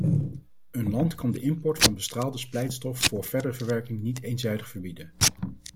Een land kan de import van bestraalde splijtstof voor verdere verwerking niet eenzijdig verbieden.